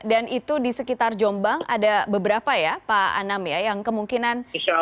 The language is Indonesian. dan itu di sekitar jombang ada beberapa ya pak anam ya yang kemungkinan bisa